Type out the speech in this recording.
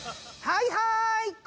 はいはい！